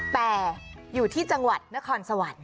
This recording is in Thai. แต่อยู่ที่จังหวัดนครสวรรค์